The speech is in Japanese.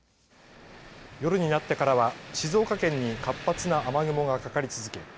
夜になってからは静岡県に活発な雨雲がかかり続け